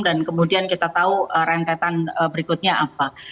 dan kemudian kita tahu rentetan berikutnya apa